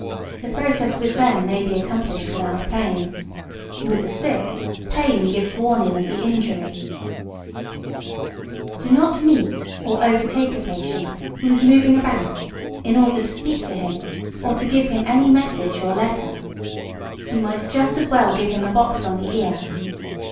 The process with them may be accomplished without pain. With the sick, pain gives warning of the injury. [Sidenote: Keeping a patient standing.] Do not meet or overtake a patient who is moving about in order to speak to him, or to give him any message or letter. You might just as well give him a box on the ear.